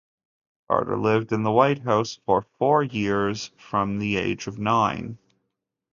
Carter lived in the White House for four years from the age of nine.